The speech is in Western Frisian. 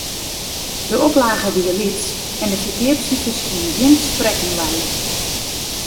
De oplage wie lyts en de ferkeapsifers koene gjin sprekken lije.